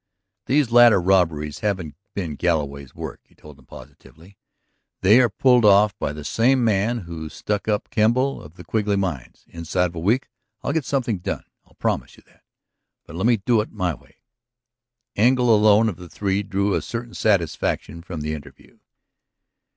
"These later robberies haven't been Galloway's work," he told them positively. "They were pulled off by the same man who stuck up Kemble of the Quigley mines. Inside of a week I'll get something done; I'll promise you that. But let me do it my way." Engle alone of the three drew a certain satisfaction from the interview.